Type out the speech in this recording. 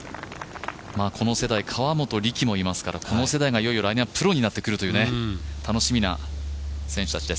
この世代、河本力もいますからこの世代がいよいよ来年はプロになってくるという楽しみな選手たちです。